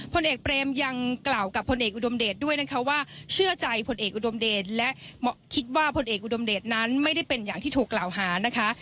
พลเอกเปรมยังกล่าวกับพลเอกอุดมเดชด้วยนะคะว่าเชื่อใจผลเอกอุดมเดชและคิดว่าพลเอกอุดมเดชนั้นไม่ได้เป็นอย่างที่ถูกกล่าวหานะคะ